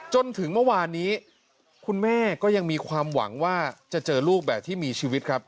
จนถึงเมื่อวานนี้คุณแม่ก็ยังมีความหวังว่าจะเจอลูกแบบที่มีชีวิตครับ